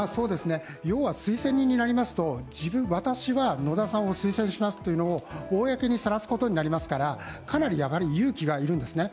要は推薦人になりますと、私は野田さんを推薦しますというのを公にさらすことになりますからかなり勇気が要るんですね。